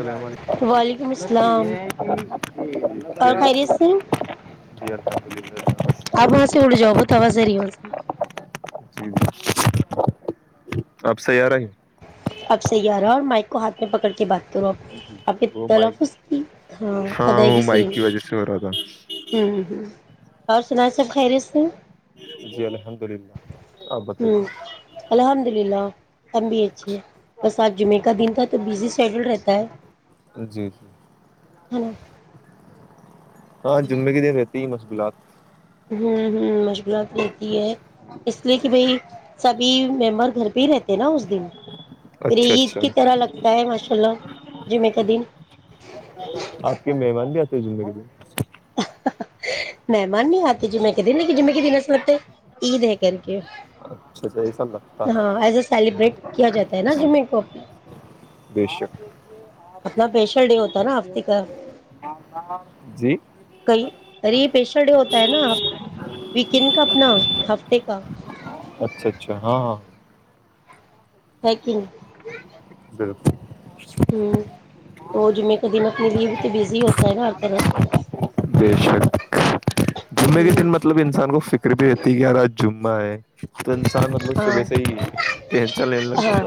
اللام وعلیکم علیکم السلام یہمد جی اور خیریت سے آپ وہاں سے اڑ جاؤ بہت آواز آ رہی ہے وہاں سے اب سےیار آ ہیں اب صی آ رہا اور مائک کو ہاتھ میں پکڑ کے بات تو آپ وہ مائک تلفظ کی ہاں وہ ادائیگی سےی مائک کی وجہ سے ہو رہا تھا ہ ہ اور سنا سب خیریست سے جی الحمد للہ آپ بتائیے ایم بی ایچی بس آج جمعے کا دن تھا تو بزی شیڈل رہتا ہے جی جی ہے نا ہاں جمے گ د دیے کئی مشغلات ہوں ہوں مشغلات رہتی ہے اس لیے کہ بھائی سبھی ممبر گھر پہ ہی رہتے ہیں نا اس دن پھر اچھا عید اچھا کی طرح لگتا ہے ماشاء اللہ جی میں ک دھی آپ کے مہمان بھی آتے ہیں زندگی میں مہمان نہیں آتے ج میں ک دن ل جمے ک دن ایس لگتے عید ہے کر کے اچھ ایسا لگتا ہاں ایز اے ہے سیلیبریٹ کیا جاتا ہے نا جمعے کو بے شک ویشڈ ہو جی [unintelligible] کئی ار یہپیشل ڈے ہوتا ہے نا ویکینڈ کا اپنا ہفتے کا اچھا اچھا ہاں ہاں [unintelligible] ہیکن [inaudible] [unintelligible] ہ تو جمعے کا دن اپنے لیے بھی تو بزی ہوتا ہے نا ہر طرح سے [unintelligible] بے شک جمعے کے ہوں دن مطلب انسان کو فکر بھی رہتی یارا ج [unintelligible] [unintelligible] [unintelligible] تو انسان مطلوگ ہاں صبح سے ہی ٹینسا لینے ہاں لگتا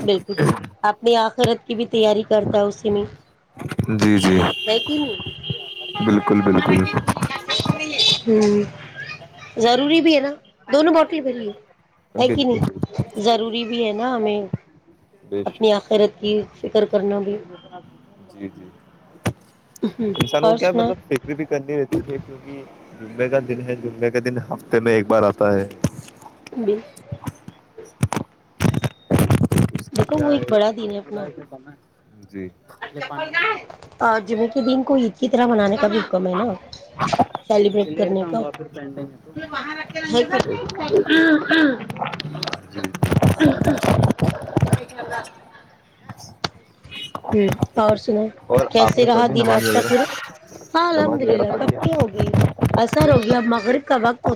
بالکل اپنی آخرت [unintelligible] کی بھی تیاری کرتا اسے میں [unintelligible] ہے جی جی ہے کہ نہیں بالکل بالکل ہ ضروری بھی ہے نا [unintelligible] دونوں بوٹل بھی لیے ہے بالکل کہ بالکل نہیں ضروری [unintelligible] بھی ہے نا ہمیں بے [unintelligible] اپنی شک آخرت کی فکر کرنا بھی [unintelligible] جی جی [unintelligible] انسان کو اور کیا سنا مطلب بکری بھی کرنی رہتی ہے کیونکہ [unintelligible] جمبے کا دن ہے جمعے کا دن ہفتے میں ایک بار آتا ہے [unintelligible] [inaudible] [unintelligible] اس کا دیکھو وہ کیا ایک بڑا دن ہے اپنا [unintelligible] جی پانی اور جمے کے دن کو ایک کی طرح منانے کا بھی حکم ہے نا سیلیبریٹ کلیئر کرنے کام کا ہوا پھر پینڈنگ ہے تو ایک منٹ جی [unintelligible] [inaudible] [unintelligible] ہ اور س اور [unintelligible] آپ کیسے نے پڑھ رہا لی دین نماز آج کا وغیرہ پورا ہاں الحمد نماز وغیرہ للہ پڑھ کب لی کیا ہوگی اثر ہوگیا اب مغرب [unintelligible] کبق ہو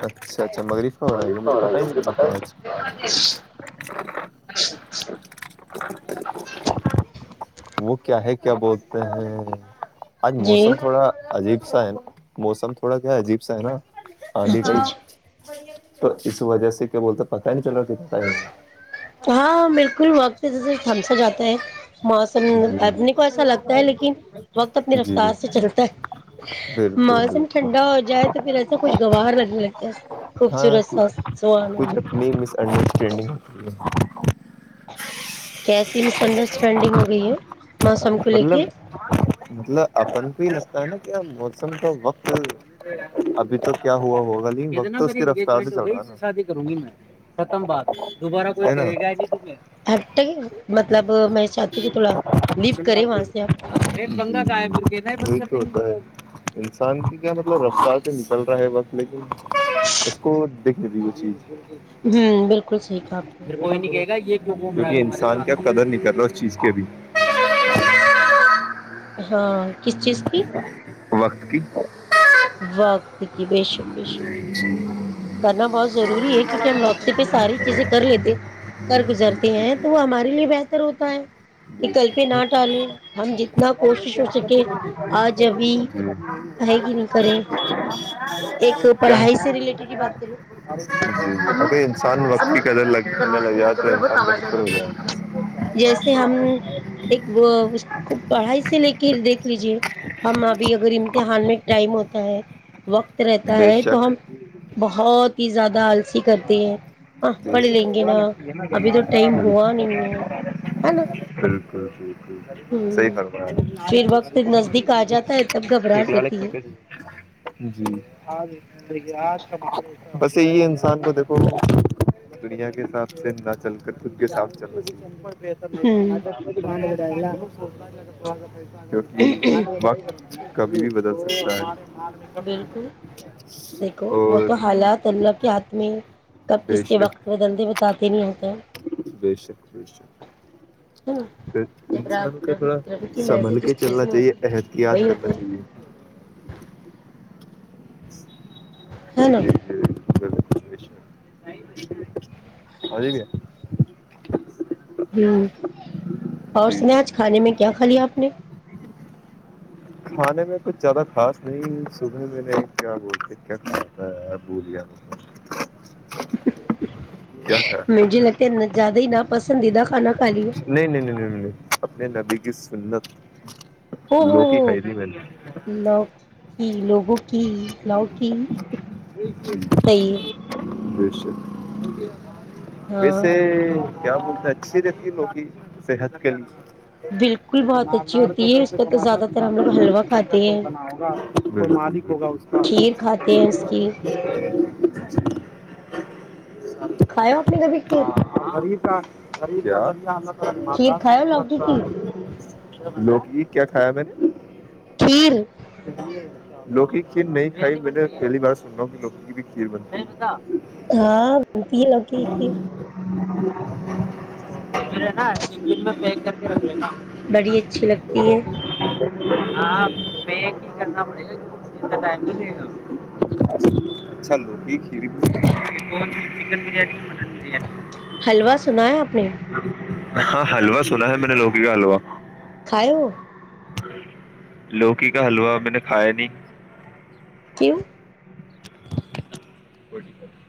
اچھا اچھا مغرب کا ہو رہا ہے کیا مجھے پتا ہی [unintelligible] ارج پ نہیں لگا آج [inaudible] [inaudible] [inaudible] [unintelligible] جی [unintelligible] [unintelligible] اچھا اچھا [unintelligible] [unintelligible] [unintelligible] [unintelligible] گیا۔ جی جی بالکل [unintelligible] بالکل ہاں کچھ اپنی [unintelligible] [unintelligible] [unintelligible] لے کے [unintelligible] [unintelligible] [unintelligible] چاہتی ہوں کہ تھوڑا لیو کرے وہاں سے آپ [unintelligible] [unintelligible] [unintelligible] [unintelligible] ہوں بالکل صحیح کہا آپ نے [unintelligible] دیکھے انسان کا قدر نہیں کر رہا [unintelligible] کس چیز کے وقت کے [unintelligible] [unintelligible] [inaudible] کل پہ نہ ٹالیں ہم جتنا کوشش ہو سکے آج ابھی ہے کہ نہیں کریں [inaudible] ایک پڑھائی سے ریلیٹڈ ہی بات کر لو امی امی دروازے میں آ جاؤ، بولا بہت آواز آ رہی ہے۔ [unintelligible] [unintelligible] وقت رہتا بے ہے تو شک ہم بہت پیزا دال نا ابھی بک تو ٹائم ہوا نہیں ہے ہے نا بک ہوں پھر وقت ل نزدیک آ جاتا ہے تب گھبراہٹ ہوتی ہے [inaudible] جی بس [inaudible] انسان کو دیکھو دنیا کے حساب سے نہ چل کر خود کے ساب چلنا چاہے [inaudible] ہوں ا [inaudible] س [inaudible] کیونکہ وقت کبھی بھی بدل سکتا ہے بالکل دیکھو وہ اور تو حالات اللہ کے ہاتھ میں کب بے کس کے وقت شک بدل د ب کااتن بے شک بے شک ہے نا جب انسان رب کا تھوڑا رب کی مرضی سنبھل کے جس چیز چلنا میں چاہیے ہوتی ہے وہی احتیاط کرنا ہوتے چاہیے ج ہ نو نہیں اور جیک ہ اور جی سنچ کھانے میں کیا کھا لیا آپ نے کھانے میں کچھ زیادہ خاص نہیں صبح میں نہیں کیا بولتے کیا کھاتا ہے بولیا کھایا مجھے لگتا ہے زیادہ ہی نا پسندیدہ کھانا کھا لیا میں نبی کی سنت ا ہ ہو کئی نہیں ب کہ لوگوں لاک اچ شا ٹھک ویسے کیا بولتا اچھی رہتی لوگ کی صحت کے لیے بالکل یک بہت اچھی مارڑ ہوتی ہے اس پیسے کا تو کمانا زیادہ تر ہم لوگ حلوا کا کھاتے کوئی ہیں بنا ہوگا مال کھیر کھاتے ہیں اس کی [unintelligible] کھاؤ آپ نے کبھی کھیر ہاںری کا ہری کھیر ما کھاؤ لوکی کی لوکی کیا کھایا میں نے کھیر ا لوکی کی کھیر نہیں کھائی میں نے پہلی بار سن رہا ہوں کہ لوک کی بھی کھیر بنتی ہے ہاں بنتی ہے لوکی کی پ ہے نا چکن میں پنیک کر کے رکھ لینا بڑی اچھی لگتی ہے ہاں میں کی کرنا مولے اچھا لو چن بانی مٹن بانی حلوا سنا ہے آپ نے ہاں حلوا سنا ہے میں نے لوکی کا حلوا کھائے وہ [unintelligible] لوکی کا حلوا میں نے کھایا نہیں کیم [unintelligible] [inaudible]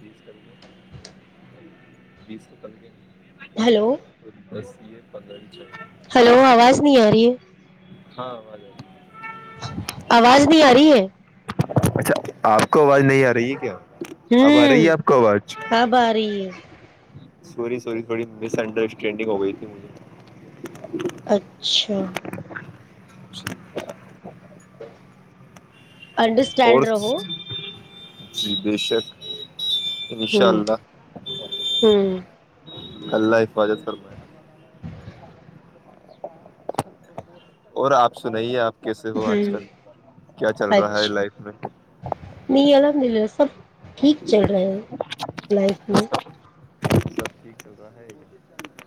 بیس کر دو بیس سو کل کے ہلو [unintelligible] بس [unintelligible] یہ بدلج [unintelligible] ہلو آواز نہیں آ رہی ہے [unintelligible] ہاں وجے آواز نہیں آ رہی ہے [unintelligible] اچھا آپ کو آواز نہیں آ رہی ہے کیا [unintelligible] اب آ ہوں رہی ہے آپ کو آواز اب آ رہی ہے [unintelligible] سوری سوری تھوڑی مس انڈرسٹینڈنگ ہو گئی تھی مجے اچھا [unintelligible] اس [unintelligible] [inaudible] انڈرسٹینڈ رہو [unintelligible] بشک [unintelligible] ہوں ہوں [unintelligible] اللہ حفاظت کر پائے [unintelligible] اور آپ سنے آپ [unintelligible] کیسے ہو آج کل کیا چل رہا ہے لائف میں [unintelligible] مل رہ سب ٹھیک چل رہے ہیں لائف میں سب [unintelligible] ٹھیک چل رہا ہے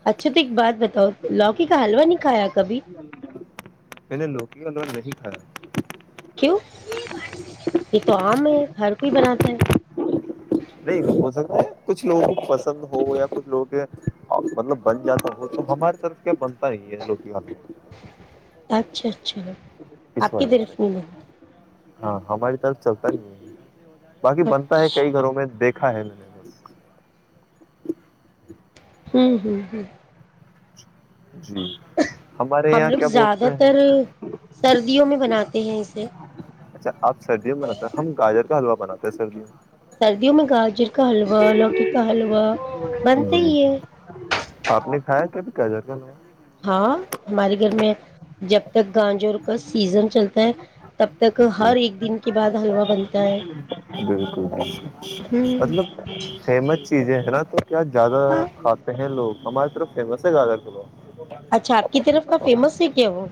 اچھا تو ایک بات بتاؤ لوکی کا حلوا نہیں کھایا کبھی پے ل انوں نے نہیں کھاا [unintelligible] کیوں یہ تو آم ہے ہر کوئی بناتا ہے [unintelligible] نہیں ہو سکتا ہے کچھ لوگوں کو پسند ہو یا کچھ لوگوں کے مطلب بن جاتا ہو تو ہماریے طرف کیا بنتا ہی ہے لوک حال [unintelligible] اچھا اچھا [unintelligible] اس آپ کی وجہ سے طرف میں [unintelligible] ہاں ہماری طرف چلتا ہی ہے [unintelligible] باقی بنتا ہے کئی اچھا گھروں میں دیکھ [unintelligible] ک م ج [inaudible] [inaudible] جی ہمارے ہم یہاں لوگ کیا زیادہ بولتے تر ہیں سردیوں میں بناتے ہیں اسے اچھا آپ سردی میں بناتا ہیں ہم گاجر کا حلوا بناتے ہیں سردی میں سردیوں میں گاجر کا حلوا لوکی کا حلوا بنتا میں ہی ہے گ جر ہاں ہمارے گھر میں جب تک گاجور کا سیزن چلتا ہے تب تک جی ہر ایک دن کے بعد حلوا بنتا ہے بالکل بکل ہوں مطلب فیمس چیزیں ہے نا تو کیا زیادہ ہاں کھاتے ہیں لوگ ہمارے طرف فیمس ہے گاجر کلو اچھا آپ کی طرف کا فیمس ہے کیا وہ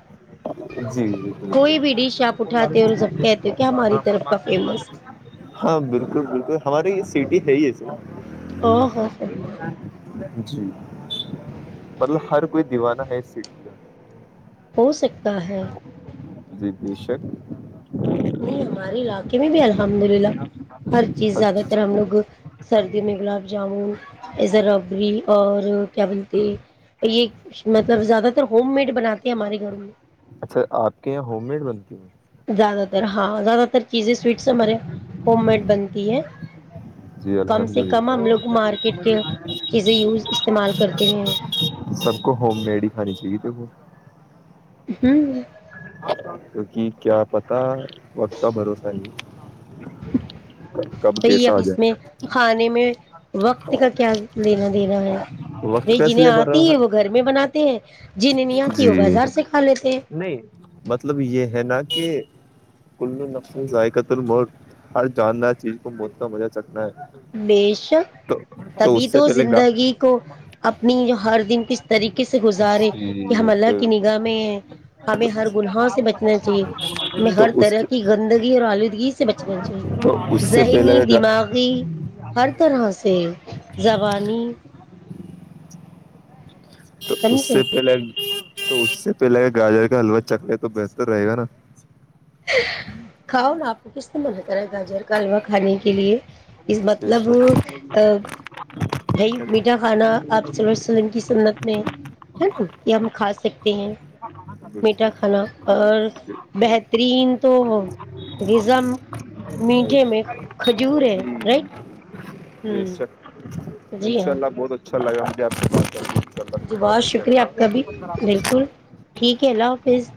جی جی کوئی بھی ڈش آپ اٹھاتے ہو بالک اور جب کہتے ہو کہ ہماری طرف کا فیمس ہاں بالکل بالکل ہماری یہ سٹی ہے ہی [inaudible] او ہو ہو جی مطلب ہر کوئی دیوانہ ہے اس سٹی کا ہو سکتا ہے بییشک نہیں ہمارے علاقے میں بھی الحمد للہ ہر چیز زیادہ اچھا تر ہم لوگ سردیوں میں گلاب جامن زرابری اور کیا بولتے یہ مطلب زیادہ ہوم میڈ بناتے ہیں ہمارے گھر میں اچھا، آپ کے یہاں ہوم میڈ بنتی ہے زیادہ تر ہاں زیادہ تر چیزیں سویٹ سے ہمارے ہوم میڈ بنتی ہے جی کم الحمد سے کم للہ ہم لوگ مارکیٹ کے چیزیں یوز استعمال کرتے ہیں سب کو ہوم میڈ ہی کھانی چاہیے ت وہ [inaudible] کیونکہ کیا پتا وقت کا بھروسہ نہیں کب بی کیسا اب آ اس جائے میں کھانے میں وقت کا کیا لینا دینا ہے وقت بائی کا اس جنہیں لیے آتی ہے بھروسہ وہ گھر میں بناتے ہیں جنہیں نہیں آتی جی وہ بازار سے کھا لیتے ہیں نہیں مطلب یہ ہے نا کہ ک نس ذائقہ الم ہر جاندار چیز کو مت کا مزہ چلتا بےشک تبھی اس سے تو پہلے گا زندگی کو اپنی ہر دن کس طریقے سے گزارے کہ ہم جی اللہ تو کی نگاہ میں ہیں ہمیں ہر گناہ سے بچنا چاہیے ہمیں تو ہر اس طرح کی گندگی اور آلودگی سے بچنا چاہیے تو اس سے ذہنی پہلے گا دماغی ہر طرح سے زبانی تو اس سمجھے سے پہلے تو اس سے پہلے گاجر کا حلوہ چکنےے تو بہتر رہے گا نا کھا اور آپ کو کس سے من کرا گاجر کا حلوہ کھانے کے لیے اس بے مطلب شک بھائی میٹھا کھانا آپ صلی ال ولم کی سنت میں ہے نا کہ ہم کھا سکتے ہیں میٹھا کھانا اور بہتر میٹھے میں کھجور وررہا ہے رائٹ ہ جی سر جی ہاں مشااللہ بہت اچھا لگا مجھے آپ سے اللہ جی بہت بات شکریہ آپ کا بھی بالکل اللہاب ٹھیک ہے اللہ حافظ